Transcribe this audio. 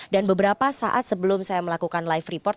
dan beberapa saat sebelum saya melakukan live report